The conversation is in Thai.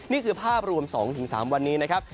นี่คือภาพรวม๒๓วันนี้นะครับ